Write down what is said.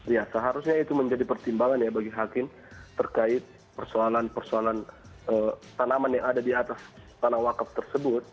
ya seharusnya itu menjadi pertimbangan ya bagi hakim terkait persoalan persoalan tanaman yang ada di atas tanah wakaf tersebut